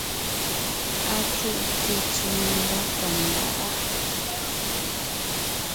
Acùʼte tsiŋe ndá Tàndáʼa.